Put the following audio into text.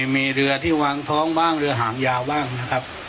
มีเรือที่วางท้องบ้างเรือหางยาวบ้างนะครับ